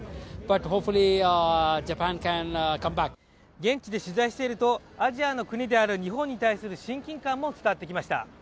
現地で取材しているとアジアの国である日本に対する親近感も伝わってきました。